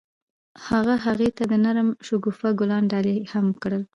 هغه هغې ته د نرم شګوفه ګلان ډالۍ هم کړل.